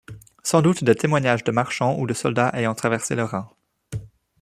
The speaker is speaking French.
Sans doute des témoignages de marchands ou de soldats ayant traversé le Rhin.